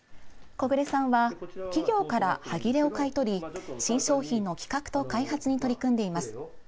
木榑さんは企業からはぎれを買い取り新商品の企画と開発に取り組んでいます。